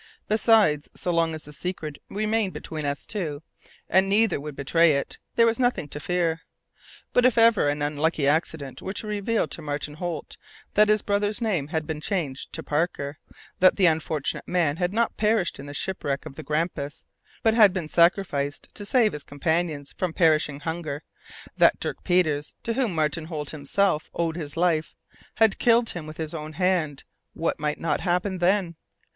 Besides, so long as the secret remained between us two and neither would betray it there would be nothing to fear. But if ever an unlucky accident were to reveal to Martin Holt that his brother's name had been changed to Parker, that the unfortunate man had not perished in the shipwreck of the Grampus, but had been sacrificed to save his companions from perishing of hunger; that Dirk Peters, to whom Martin Holt himself owed his life, had killed him with his own hand, what might not happen then?